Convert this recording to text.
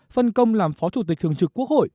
phân công làm phó chủ tịch thường trực quốc hội